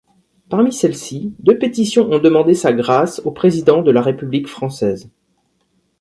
Parmi celles-ci deux pétitions ont demandé sa grâce au président de la République française.